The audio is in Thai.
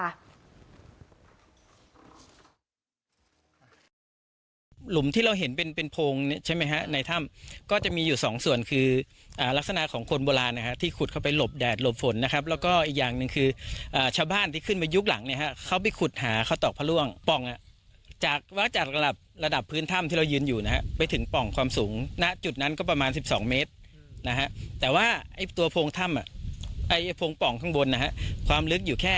ไอ้โผงป่องข้างบนนะครับความลึกอยู่แค่แป่ถึงสิบเมตร